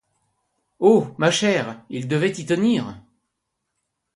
Oh! ma chère, il devait y tenir !